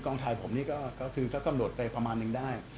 กองทายผมนี้ก็กระโหลดไปประมาณนึงได้